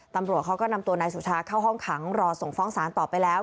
ตำรวจเขาก็นำตัวนายสุชาเข้าห้องขังรอส่งฟ้องสารต่อไปแล้ว